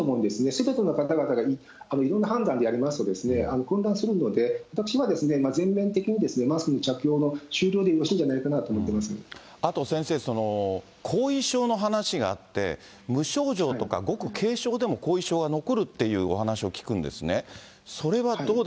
すべての方々がいろんな判断でやりますと混乱するので、私は、全面的にマスクの着用の終了でよろしいんじゃないかなと思っておあと先生、後遺症の話があって、無症状とか、ごく軽症でも、後遺症が残るっていうお話を聞くんですね。